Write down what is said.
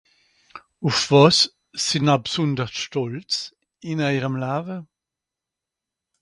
ùff wàs sìnna b'sondersch stòlz ìn eijerem Lawe